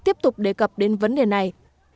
tiếp tục đề cập đến vấn đề này